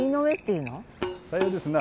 さようですな。